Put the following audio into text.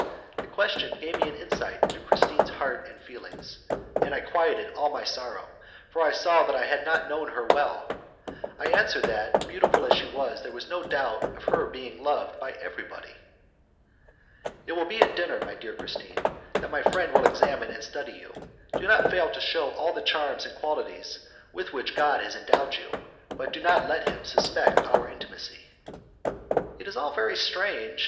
That question gave me an insight into Christine's heart and feelings, and quieted all my sorrow, for I saw that I had not known her well. I answered that, beautiful as she was, there was no doubt of her being loved by everybody. "It will be at dinner, my dear Christine, that my friend will examine and study you; do not fail to shew all the charms and qualities with which God has endowed you, but do not let him suspect our intimacy." "It is all very strange.